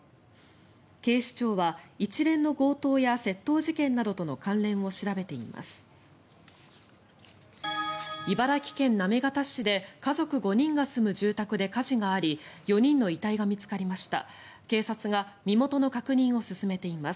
警視庁は一連の強盗や窃盗事件などとの関連を調べています。